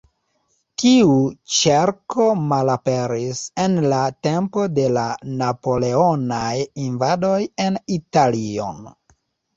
Tiu ĉerko malaperis en la tempo de la Napoleonaj invadoj en Italion.